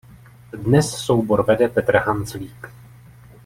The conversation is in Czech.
Dnes soubor vede Petr Hanzlík.